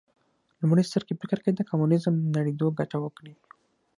لومړي سر کې فکر کېده کمونیزم نړېدو ګټه وکړي